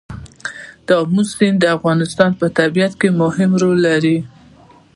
آمو سیند د افغانستان په طبیعت کې مهم رول لري.